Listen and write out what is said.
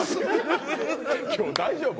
今日、大丈夫？